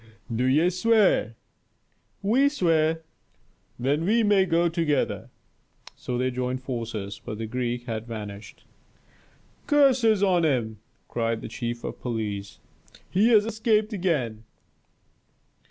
"Do ye swear?" "We swear." "Then we may go together." So they joined forces, but the Greek had vanished. "Curses on him!" cried the chief of police. "He has escaped again!"